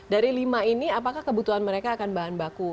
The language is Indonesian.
dari lima ini apakah kebutuhan mereka akan bahan baku